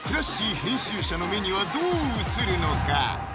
編集者の目にはどう映るのか？